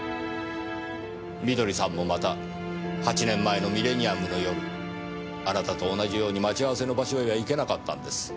美登里さんもまた８年前のミレニアムの夜あなたと同じように待ち合わせの場所へは行けなかったんです。